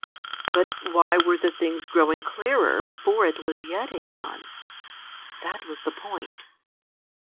But why were the things growing clearer before it was yet a sun? That was the point.